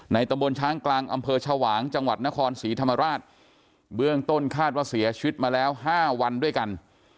ตะบนช้างกลางอำเภอชวางจังหวัดนครศรีธรรมราชเบื้องต้นคาดว่าเสียชีวิตมาแล้ว๕วันด้วยกัน